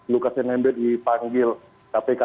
lukas nmb dipanggil kpk